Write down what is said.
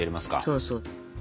そうそう。